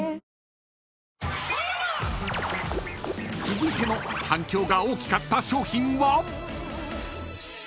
［続いての反響が大きかった商品は？］